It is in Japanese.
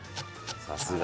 さすが。